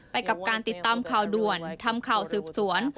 ไปกับการติดตามข่าวด่วนทำข่าวสืบสวน